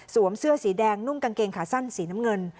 เสื้อสีแดงนุ่งกางเกงขาสั้นสีน้ำเงิน